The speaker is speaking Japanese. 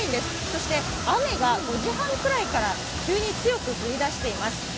そして雨が５時半ぐらいから急に強く降り出しています。